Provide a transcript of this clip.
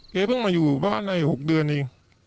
เพิ่งมาอยู่บ้านใน๖เดือนเอง